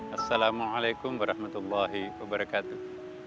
assalamualaikum warahmatullahi wabarakatuh